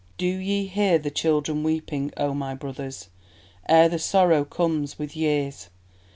Do ye hear the children weeping, O my brothers, Ere the sorrow comes with years?